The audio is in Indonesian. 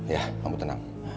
ya kamu tenang